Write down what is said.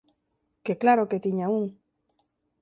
Que claro que tiña un.